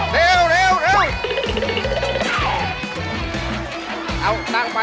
เหลืออีกนึงถาด